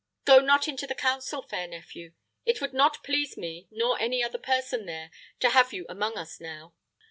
"Go not into the council, fair nephew," he said. "It would not please me, nor any other person there, to have you among us now."